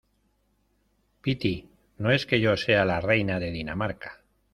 piti, no es que yo sea la reina de Dinamarca